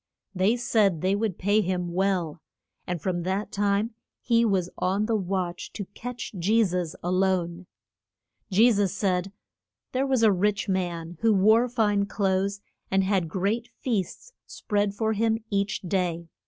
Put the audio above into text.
They said they would pay him well. And from that time he was on the watch to catch Je sus a lone. Je sus said, There was a rich man, who wore fine clothes, and had great feasts spread for him each day.